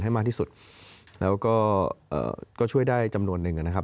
ให้มากที่สุดแล้วก็เอ่อก็ช่วยได้จำนวนหนึ่งนะครับ